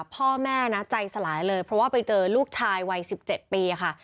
พ่อแม่นะใจสลายเลยเพราะว่าไปเจอลูกชายวัย๑๗ปีค่ะ